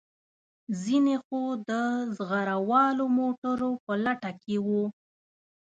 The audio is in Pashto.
ځینې خو د زغره والو موټرو په لټه کې وو.